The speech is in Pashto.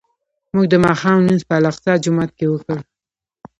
موږ د ماښام لمونځ په الاقصی جومات کې وکړ.